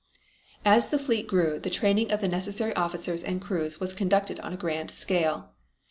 As the fleet grew the training of the necessary officers and crews was conducted on a grand scale.